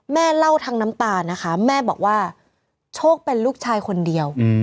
แม่เล่าทั้งน้ำตานะคะแม่บอกว่าโชคเป็นลูกชายคนเดียว